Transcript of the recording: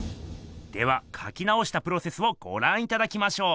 ではかきなおしたプロセスをごらんいただきましょう。